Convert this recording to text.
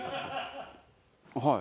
はい。